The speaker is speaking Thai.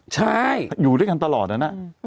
ใช่อยู่ด้วยกันตลอดนะ